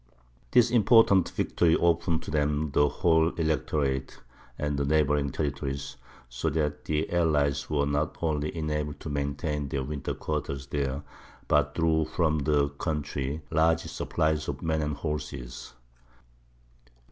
This important victory opened to them the whole Electorate and neighbouring territories, so that the allies were not only enabled to maintain their winter quarters there, but drew from the country large supplies of men and horses.